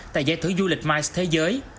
tại giải thử du lịch mice thế giới